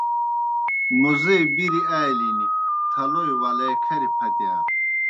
موزے بِریْ آلِن، تھلوئی ولے کھریْ پھتِیا۔